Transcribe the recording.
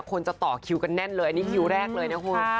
คนจะต่อคิวกันแน่นเลยอันนี้คิวแรกเลยนะคุณ